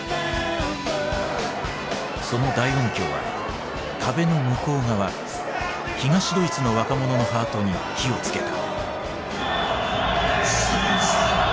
その大音響は壁の向こう側東ドイツの若者のハートに火をつけた。